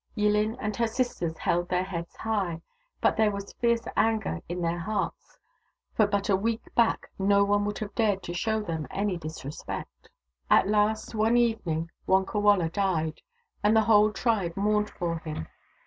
YilHn and her sisters held their heads high, but there was fierce anger in their hearts, for but a week back no one would have dared to show them any disrespect. i66 THE DAUGHTERS OF WONKAWALA At last, one evening, Wonkawala died, and the whole tribe mourned for him.